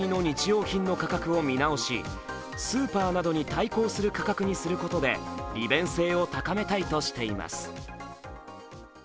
用品の価格を見直しスーパーなどに対抗する価格にすることで利便性を高めたいとしています。